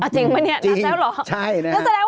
จริงเอาจริงป่ะนัดแล้วเหรอ